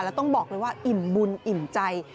แล้วต้องบอกเลยว่าอิ่มบุญอิ่มใจ